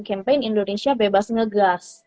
campaign indonesia bebas ngegas